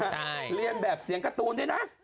ใช่เรียนแบบเสียงการ์ตูนด้วยนะ